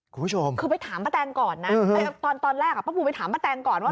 คุณผู้ชมคือไปถามป้าแตงก่อนนะตอนแรกป้าปูไปถามป้าแตงก่อนว่า